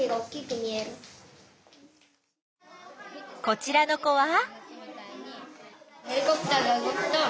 こちらの子は？